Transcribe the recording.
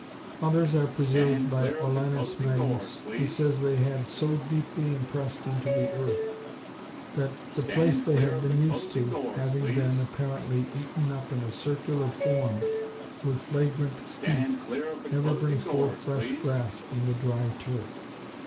Others are preserved by Olaus Magnus, who says they had so deeply impressed into the earth, that the place they have been used to, having been (apparently) eaten up in a circular form with flagrant heat, never brings forth fresh grass from the dry turf.